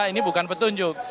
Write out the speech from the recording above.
ini bukan petunjuk